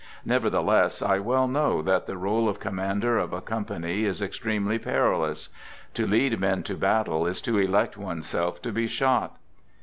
Nevertheless, I well know that the role of commander of a company is extremely perilous ; to lead men to battle is to elect oneself to be shot.